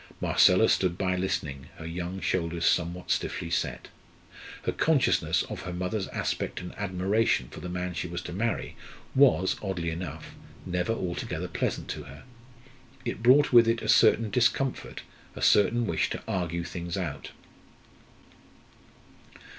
Marcella stood by listening, her young shoulders somewhat stiffly set. Her consciousness of her mother's respect and admiration for the man she was to marry was, oddly enough, never altogether pleasant to her. It brought with it a certain discomfort, a certain wish to argue things out.